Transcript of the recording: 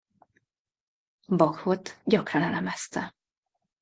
Bachot gyakran elemezte.